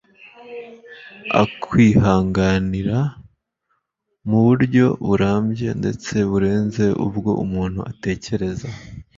akwihanganira, mu buryo burambye ndetse burenze ubwo umuntu atekereza.